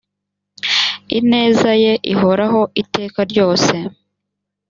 ineza ye ihoraho iteka ryose